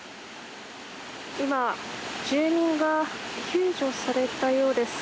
今住人が救助されたようです。